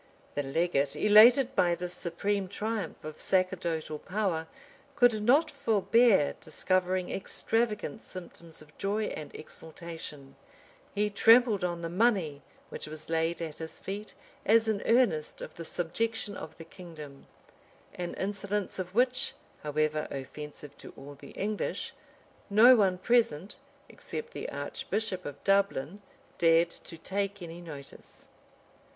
The legate, elated by this supreme triumph of sacerdotal power, could not forbear discovering extravagant symptoms of joy and exultation: he trampled on the money, which was laid at his feet as an earnest of the subjection of the kingdom; an insolence of which, however offensive to all the English, no one present, except the archbishop of Dublin, dared to take any notice.